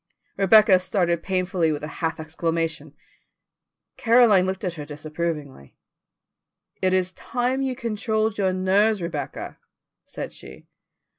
Rebecca started painfully with a half exclamation. Caroline looked at her disapprovingly. "It is time you controlled your nerves, Rebecca," said she.